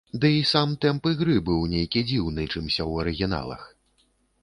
Ды і сам тэмп ігры быў нейкі дзіўны, чымся ў арыгіналах.